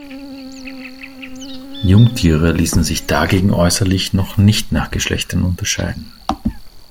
Jungtiere ließen sich dagegen äußerlich noch nicht nach Geschlechtern unterscheiden.